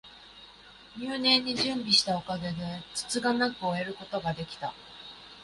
入念に準備したおかげで、つつがなく終えることが出来た